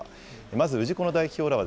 まず氏子の代表らは、